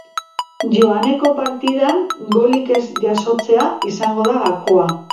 Joaneko partidan golik ez jasotzea izango da gakoa.